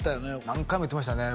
何回も言ってましたね